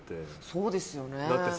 そうですよね。